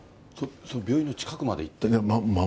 病院の近くまで行って？